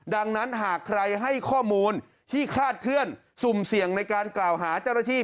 ดังนั้นหากใครให้ข้อมูลที่คาดเคลื่อนสุ่มเสี่ยงในการกล่าวหาเจ้าหน้าที่